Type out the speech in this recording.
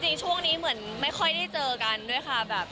จริงช่วงนี้เหมือนไม่ค่อยได้เจอกันด้วยค่ะ